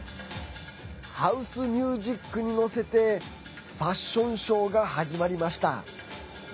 ハウスミュージックに乗せてファッションショーが始まりました。